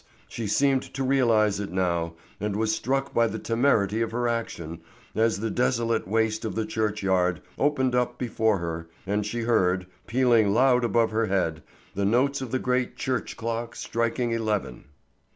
She seemed to realize it now, and was struck by the temerity of her action, as the desolate waste of the churchyard opened up before her and she heard, pealing loud above her head, the notes of the great church clock striking eleven!